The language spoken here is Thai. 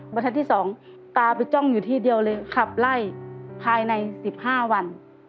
ที่๒ตาไปจ้องอยู่ที่เดียวเลยขับไล่ภายใน๑๕วัน